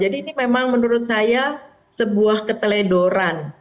jadi ini memang menurut saya sebuah keteledoran